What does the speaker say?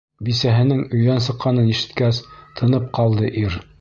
Бисәһенең өйҙән сыҡҡанын ишеткәс, тынып ҡалды ир.